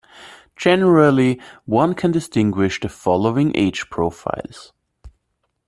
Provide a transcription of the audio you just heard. Generally, one can distinguish the following age profiles.